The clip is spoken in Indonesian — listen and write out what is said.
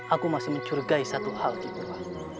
aku masih mencurigai satu hal niki purwa